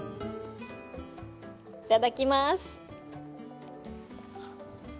いただきまーす。